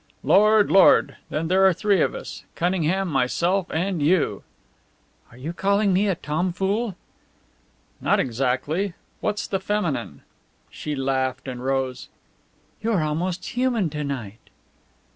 "Lord, Lord! Then there are three of us Cunningham, myself, and you!" "Are you calling me a tomfool?" "Not exactly. What's the feminine?" She laughed and rose. "You are almost human to night."